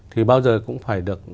thì bao giờ cũng phải được